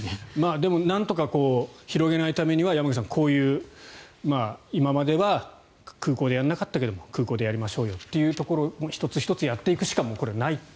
でも、なんとか広げないためには山口さん、こういう今までは空港でやらなかったけど空港でやりましょうということを１つ１つやっていくしかないと。